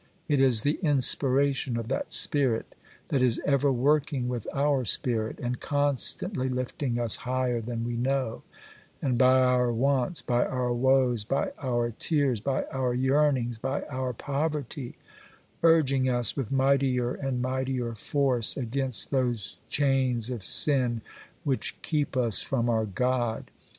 It is the inspiration of that Spirit that is ever working with our spirit, and constantly lifting us higher than we know, and, by our wants, by our woes, by our tears, by our yearnings, by our poverty, urging us, with mightier and mightier force, against those chains of sin which keep us from our God.